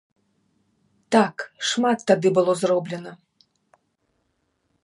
Так, шмат тады было зроблена!